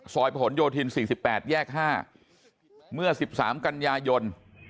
ซอยพะหลโยธินสี่สิบแปดแยกห้าเมื่อสิบสามกันยายน